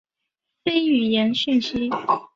非语言讯息通常都比语言讯息来得真实。